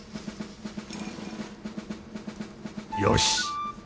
よし！